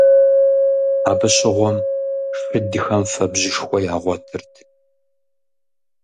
Абы щыгъуэм шыдхэм фэбжьышхуэ ягъуэтырт.